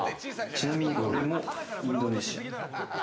ちなみに、これもインドネシア。